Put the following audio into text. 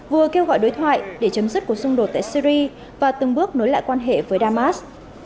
vừa kêu gọi đối thoại để chấm dứt cuộc xung đột tại syri và từng bước nối lại quan hệ với damas